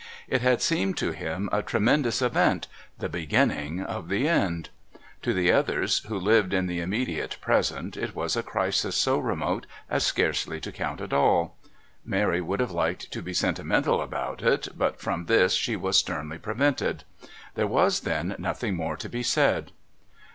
It had seemed to him a tremendous event, the Beginning of the End. To the others, who lived in the immediate present, it was a crisis so remote as scarcely to count at all. Mary would have liked to be sentimental about it, but from this she was sternly prevented. There was then nothing more to be said...